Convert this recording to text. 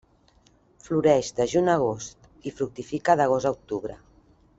Floreix de juny a agost i fructifica d'agost a octubre.